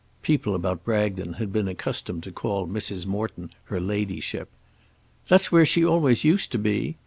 People about Bragton had been accustomed to call Mrs. Morton her ladyship. "That's where she always used to be.